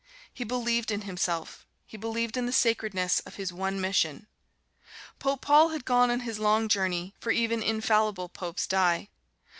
He believed in himself; he believed in the sacredness of his one mission. Pope Paul had gone on his long journey, for even infallible popes die.